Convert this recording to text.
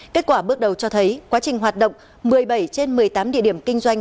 kết quả bước đầu cho thấy quá trình hoạt động một mươi bảy trên một mươi tám địa điểm kinh doanh